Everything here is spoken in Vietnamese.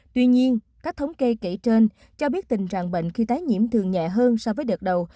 tuy nhiên các thống kê kể trên cho biết tình trạng bệnh khi tái nhiễm thường nhẹ hơn so với đợt đầu